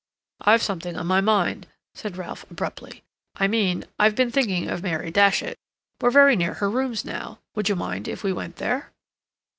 "I've something on my mind," said Ralph abruptly. "I mean I've been thinking of Mary Datchet. We're very near her rooms now. Would you mind if we went there?"